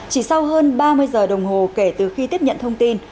chỉ sau hơn ba mươi giờ đồng hồ kể từ khi tiếp nhận thông tin